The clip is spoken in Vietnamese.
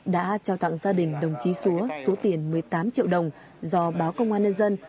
đã trao tặng gia đình đồng chí xúa số tiền một mươi tám triệu đồng do báo công an nhân dân